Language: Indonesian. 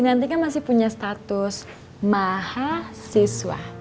nanti kan masih punya status mahasiswa